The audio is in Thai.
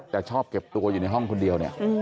แต่ชอบเก็บตัวอยู่ในห้องคนเดียวเนี่ย